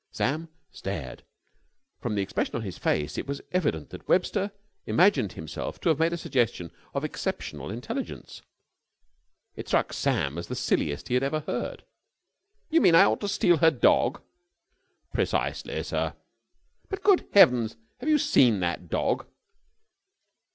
Sam stared. From the expression on his face it was evident that Webster imagined himself to have made a suggestion of exceptional intelligence. It struck Sam as the silliest he had ever heard. "You mean I ought to steal her dog?" "Precisely, sir." "But, good heavens! Have you seen that dog?"